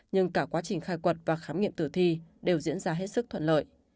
nhưng cả quá trình khai quật và khám nghiệm tử thi đều diễn ra hết sức thuận lợi